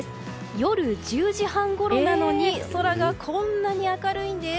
夜１０時半ごろなのに空がこんなに明るいんです。